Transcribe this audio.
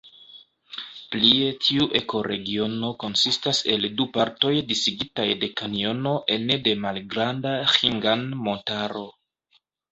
Plie tiu ekoregiono konsistas el du partoj disigitaj de kanjono ene de Malgranda Ĥingan-Montaro.